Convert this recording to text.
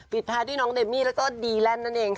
ท้ายด้วยน้องเดมี่แล้วก็ดีแลนด์นั่นเองค่ะ